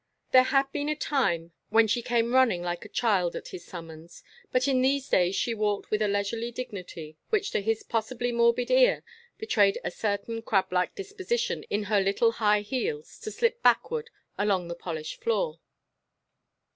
There had been a time when she came running like a child at his summons, but in these days she walked with a leisurely dignity which to his possibly morbid ear betrayed a certain crab like disposition in her little high heels to slip backward along the polished floor.